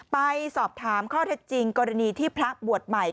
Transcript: ไปสอบถามข้อเท็จจริงกรณีที่พระบวชใหม่